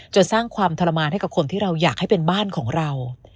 สร้างความทรมานให้กับคนที่เราอยากให้เป็นบ้านของเรา